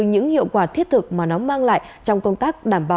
những người trong nhà